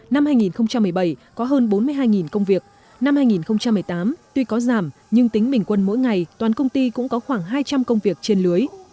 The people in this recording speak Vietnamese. năm hai nghìn một mươi bảy có hơn bốn mươi hai công việc năm hai nghìn một mươi tám tuy có giảm nhưng tính bình quân mỗi ngày toàn công ty cũng có khoảng hai trăm linh công việc trên lưới